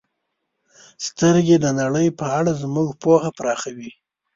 • سترګې د نړۍ په اړه زموږ پوهه پراخوي.